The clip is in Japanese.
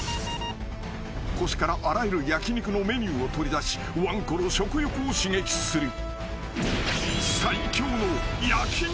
［腰からあらゆる焼き肉のメニューを取り出しわんこの食欲を刺激する］